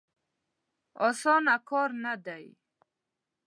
اسانه کار نه دی.